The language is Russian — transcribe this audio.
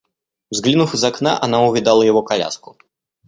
Взглянув из окна, она увидала его коляску.